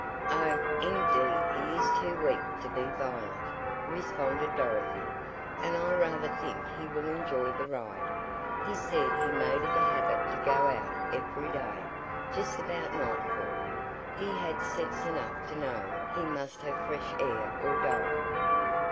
"Oh, indeed he is too weak to be violent," responded Dorothy. "And I rather think he will enjoy the ride. He said he made it a habit to go out every day, just about nightfall. He had sense enough to know he must have fresh air or die."